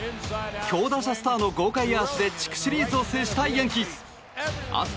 強打者スターの豪快アーチで地区シリーズを制したヤンキース。